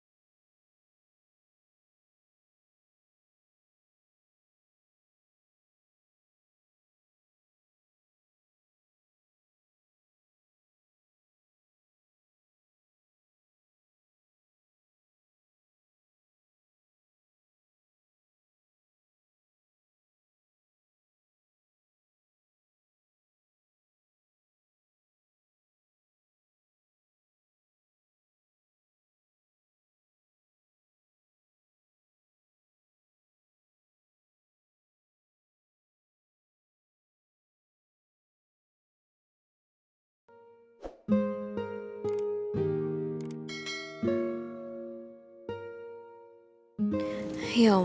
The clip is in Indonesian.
ibu sangat bertahan